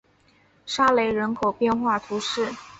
沙雷人口变化图示